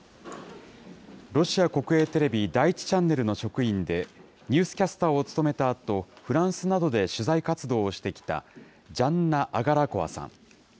ロシア国営テレビ第１チャンネルの職員で、ニュースキャスターを務めたあと、フランスなどで取材活動をしてきた、ジャンナ・アガラコワさん。